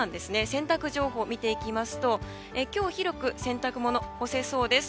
洗濯情報を見ていきますと今日広く洗濯物が干せそうです。